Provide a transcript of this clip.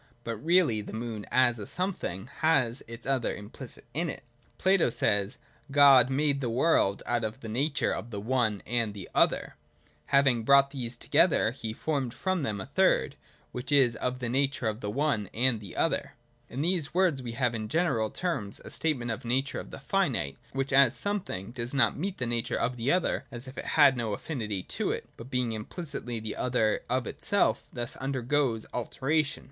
But really the moon, as a something, has its other implicit in it : Plato 174 THE DOCTRINE OF BEING. [92 94 says : God made the world out of the nature of the ' one ' and the 'other' (roC irepov) : having brought these together, he formed from them a third, which is of the nature of the ' one ' and the ' other.' In these words we have in general terms a statement of the nature of the finite, which, as some thing, does not meet the nature of the other as if it had no affinity to it, but, being implicitly the other of itself, thus undergoes alteration.